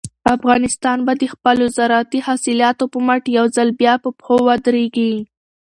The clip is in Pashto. افغانستان به د خپلو زارعتي حاصلاتو په مټ یو ځل بیا په پښو ودرېږي.